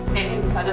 nenek udah sadar